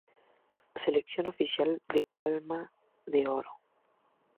Selección oficial por la Palma de Oro.